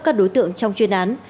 các đối tượng trong chuyên án